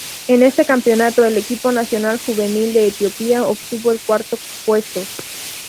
En este campeonato, el equipo Nacional Juvenil de Etiopía obtuvo el cuarto puesto.